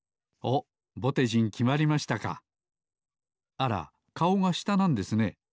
あらかおがしたなんですね。